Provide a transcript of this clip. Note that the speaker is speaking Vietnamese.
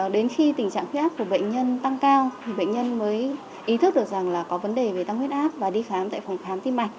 đến khi tình trạng khuyết áp của bệnh nhân tăng cao thì bệnh nhân mới ý thức được rằng là có vấn đề về tăng huyết áp và đi khám tại phòng khám tim mạch